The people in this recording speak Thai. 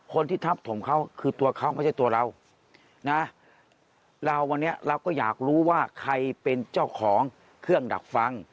คนที่ทับถมเขาคือตัวเขาไม่ใช่ตัวเรานะเราวันนี้เราก็อยากรู้ว่าใครเป็นเจ้าของเครื่องดักฟัง